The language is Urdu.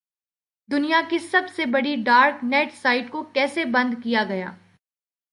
دنیا کی سب سے بڑی ڈارک نیٹ سائٹ کو کیسے بند کیا گیا؟